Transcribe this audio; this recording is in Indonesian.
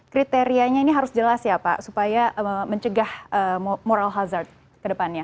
kriterianya ini harus jelas ya pak supaya mencegah moral hazard ke depannya